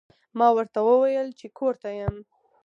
ما ورته وویل چې کور ته یم.